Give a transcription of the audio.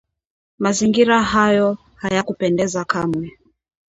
Mazingira hayo hayakupendeza kamwe…